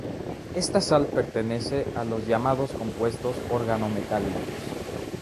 Esta sal, pertenece a los llamados compuestos organometálicos.